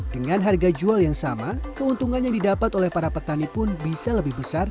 dengan harga jual yang sama keuntungan yang didapat oleh para petani pun bisa lebih besar